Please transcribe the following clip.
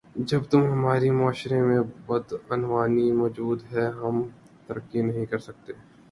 جب تم ہمارے معاشرے میں بدعنوانی موجود ہے ہم ترقی نہیں کرسکتے